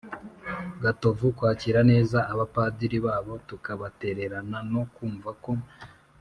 gatovu kwakira neza abapadiri babo, kutabatererana no kumva ko